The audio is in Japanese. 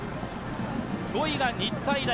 ５位が日体大。